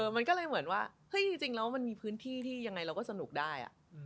มันก็เลยเหมือนว่าเฮ้ยจริงแล้วมันมีพื้นที่ที่ยังไงเราก็สนุกได้